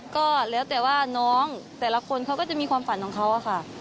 ก็แล้วแต่ว่าน้องแต่ละคนเขาก็จะมีความฝันของเขาอะค่ะ